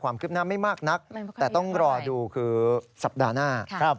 ความคืบหน้าไม่มากนักแต่ต้องรอดูคือสัปดาห์หน้า